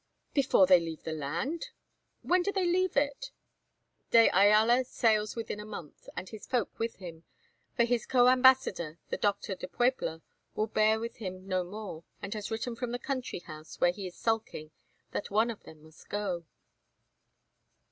"Before they leave the land? When do they leave it?" "De Ayala sails within a month, and his folk with him, for his co ambassador, the Doctor de Puebla, will bear with him no more, and has written from the country house where he is sulking that one of them must go."